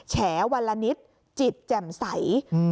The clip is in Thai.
แฉวันละนิดจิตแจ่มใส